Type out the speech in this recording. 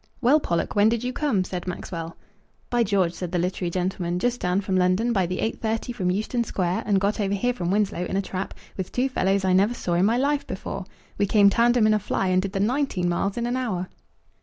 "Well, Pollock, when did you come?" said Maxwell. "By George," said the literary gentleman, "just down from London by the 8.30 from Euston Square, and got over here from Winslow in a trap, with two fellows I never saw in my life before. We came tandem in a fly, and did the nineteen miles in an hour."